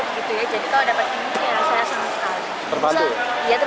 iya terbantu sama dengan adanya bantuan ini saya terbantu